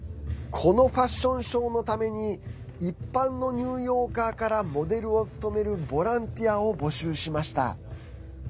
このファッションショーのために一般のニューヨーカーからモデルを務めるボランティアを募集しました。